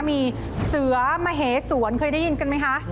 มีเสือมเหสวนเคยได้ยินกันไหมคะ